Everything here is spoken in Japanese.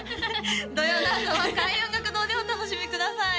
土曜の朝は開運音楽堂でお楽しみください